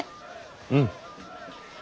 うん。